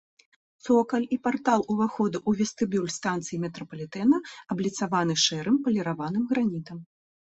Цокаль і партал увахода ў вестыбюль станцыі метрапалітэна абліцаваны шэрым паліраваным гранітам.